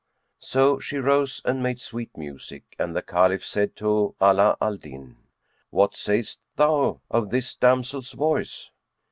So she rose and made sweet music; and the Caliph said to Ala al Din, "What sayst thou of this damsel's voice?"